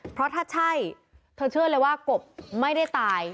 เพราะถ้าใช่เธอเชื่อเลยว่ากบไม่ได้ตาย